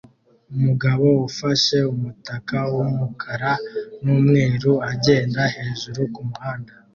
Umugabo ufashe umutaka wumukara numweru agenda hejuru kumuhanda